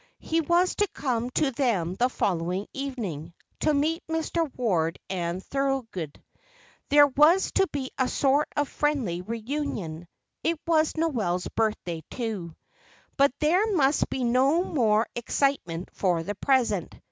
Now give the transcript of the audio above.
He was to come to them the following evening, to meet Mr. Ward and Thorold. There was to be a sort of friendly re union. It was Noel's birthday, too. But there must be no more excitement for the present.